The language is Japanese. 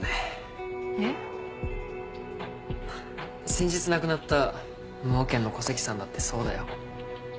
先日亡くなった無保険の小関さんだってそうだよ。